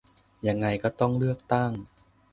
ยังไงก็ต้องเลือกตั้ง